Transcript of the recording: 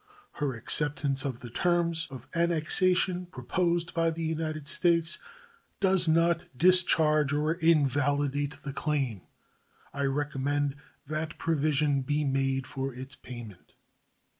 Her acceptance of the terms of annexation proposed by the United States does not discharge or invalidate the claim. I recommend that provision be made for its payment.